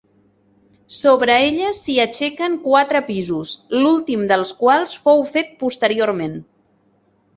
Sobre ella s'hi aixequen quatre pisos, l'últim dels quals fou fet posteriorment.